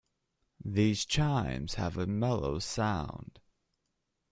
These chimes have a mellow sound.